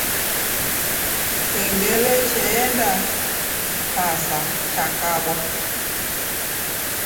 Kengele endatasa yakabwa.